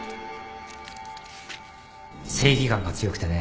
正義感が強くてね